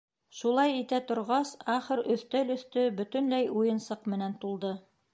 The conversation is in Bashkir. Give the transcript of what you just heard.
Шулай итә торғас, ахыр өҫтәл өҫтө бөтөнләй уйынсыҡ менән тулды.